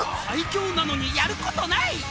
最強なのにやることない！